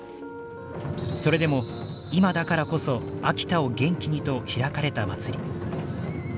それでも「今だからこそ秋田を元気に」と開かれた祭り。